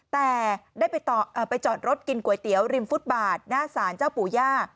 แต่ได้ไปจอดรถกินก๋วยเตี๋ยวริมฟุตบาทหน้าศาลเจ้าปู่ย่า